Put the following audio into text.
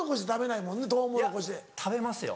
いや食べますよ。